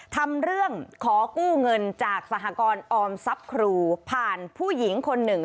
ทำเรื่องขอกู้เงินจากสหกรออมทรัพย์ครูผ่านผู้หญิงคนหนึ่ง